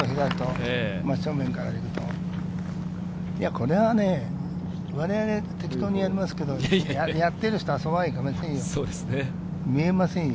これはね、我々は適当にやりますけれど、やっている人はそうはいきませんよ。